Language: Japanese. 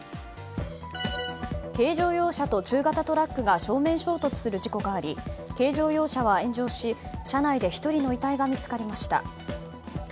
軽乗用車と中型トラックが正面衝突する事故があり軽乗用車は炎上し、車内で１人の遺体が見つかりました。